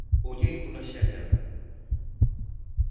Ollei pola xanela.